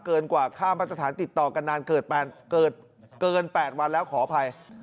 เกินกว่าค่ามาตรฐานติดต่อกันนานเกิน๘วันแล้วขออภัย